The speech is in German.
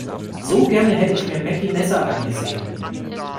So gerne hätte ich mir Meckie Messer angesehen.